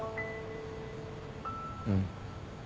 うん。